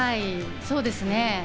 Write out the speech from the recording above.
そうです。